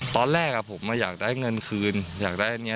ตอนแรกผมอยากได้เงินคืนอยากได้อันนี้